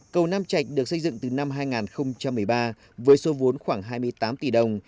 cầu nam trạch được xây dựng từ năm hai nghìn một mươi ba với số vốn khoảng hai mươi tám tỷ đồng